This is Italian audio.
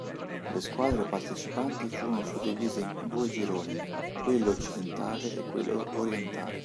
Le squadre partecipanti furono suddivise in due gironi, quello Occidentale e quello Orientale.